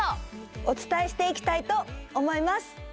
お伝えしていきたいと思います！